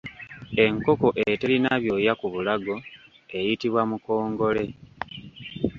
Enkoko eterina byoya ku bulago eyitibwa mukongole.